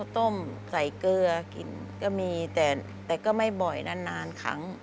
ต้มใส่เกลือกินก็มีแต่ก็ไม่บ่อยนานครั้ง